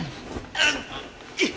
あっ！